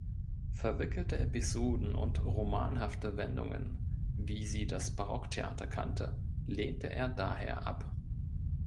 Verwickelte Episoden und romanhafte Wendungen, wie sie das Barocktheater kannte, lehnte er daher ab.